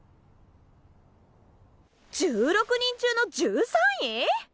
１６人中の１３位！？